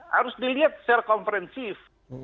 harus dilihat secara konferensif